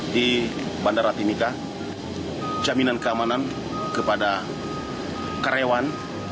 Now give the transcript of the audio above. di bandara timika jaminan keamanan kepada karyawan